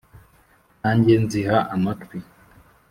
Nanjye nziha amatwi